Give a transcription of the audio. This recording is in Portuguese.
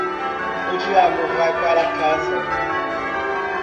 O diabo vai para casa.